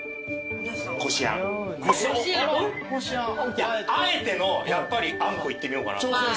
いやあえてのやっぱりあんこいってみようかな。